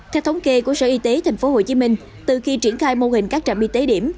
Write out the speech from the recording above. theo thống kê của sở y tế tp hcm từ khi triển khai mô hình các trạm y tế điểm